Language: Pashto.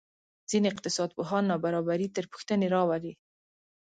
ځینې اقتصادپوهان نابرابري تر پوښتنې راولي.